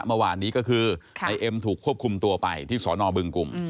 เมื่อวานนี้ก็คือนายเอ็มถูกควบคุมตัวไปที่สอนอบึงกลุ่ม